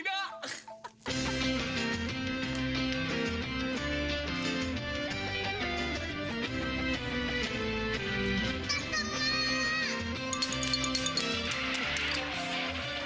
buat buah puasa ya